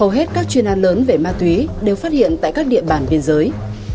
hầu hết các chuyên an lớn về ma túy đều phát hiện tại các địa bàn biên giới